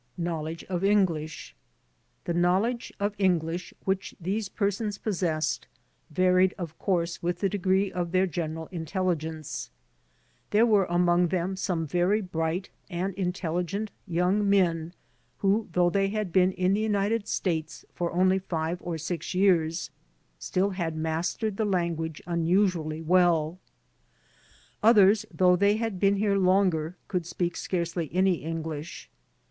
Knowledge of English The knowledge of English which these persons pos sessed varied of course with the degree of their general intelligence. There were among them some very bright *■ See Appendix II, B. >See Appendix II, Table I. ' See Appendix II, C. WHO THE ARRESTED ALIENS WERE 19 SLnd intelligent young men who though they had been in the United States for only five or six years, still had ma.stered the language unusually well. Others, though they had been here longer, could speak scarcely any English.